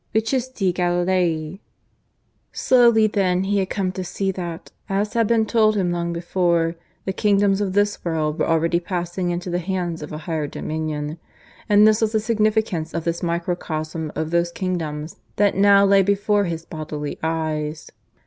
... Vicisti Galilaee! (II) Slowly then he had come to see that, as had been told him long before, the kingdoms of this world were already passing into the hands of a higher dominion and this was the significance of this microcosm of those kingdoms that now lay before his bodily eyes.